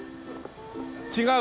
違う？